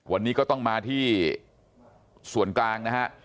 วันนี้ก็ต้องมาที่ส่วนกลางนะฮะ